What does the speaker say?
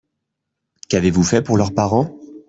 Qu’avez-vous fait pour leurs parents?